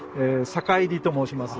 坂入と申します。